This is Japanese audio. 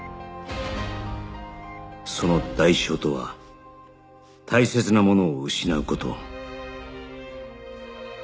その代償とは大切なものを失う事